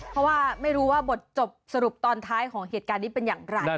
เพราะว่าไม่รู้ว่าบทสรุปตอนท้ายของเหตุการณ์นี้เป็นอย่างไร